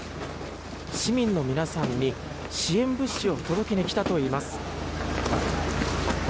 市民の皆さんに、支援物資を届けに来たといいます。